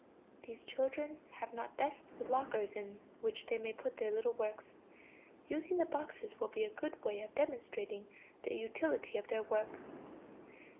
(These children have not desks with lockers in which they may put their little works. Using the boxes will be a good way of demonstrating the utility of their work.)